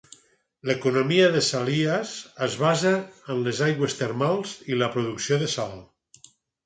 L'economia de Salias es basa en les aigües termals i la producció de sal.